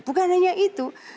bukan hanya itu